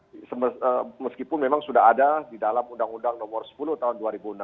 dan begitu memang sudah ada di dalam undang undang nomor sepuluh tahun dua ribu enam belas